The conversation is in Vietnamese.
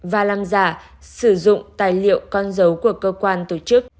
và làm giả sử dụng tài liệu con dấu của cơ quan tổ chức